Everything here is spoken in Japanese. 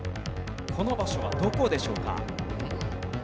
この場所はどこでしょうか？